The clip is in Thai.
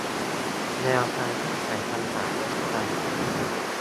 แนวทางแก้ไขร่วมกัน